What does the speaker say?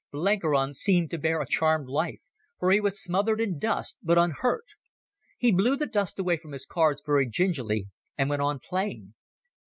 Blenkiron seemed to bear a charmed life, for he was smothered in dust, but unhurt. He blew the dust away from his cards very gingerly and went on playing.